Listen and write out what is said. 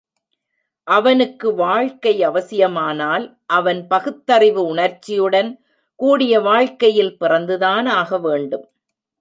அவனுக்கு வாழ்க்கை அவசியமானால், அவன் பகுத்தறிவு உணர்ச்சியுடன் கூடிய வாழ்க்கையில் பிறந்துதான் ஆகவேண்டும்.